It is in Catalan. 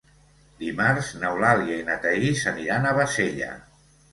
Dimarts n'Eulàlia i na Thaís aniran a Bassella.